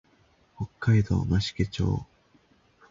北海道増毛町